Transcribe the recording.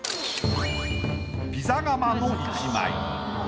ピザ窯の１枚。